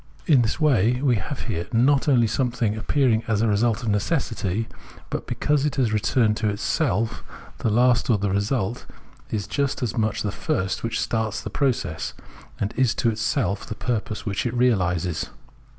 In this way we have here not only something appearing as a result of necessity, but, because it has returned to itself, the last or the result is just as much the first which starts the process, and is to itself the purpose which it realises.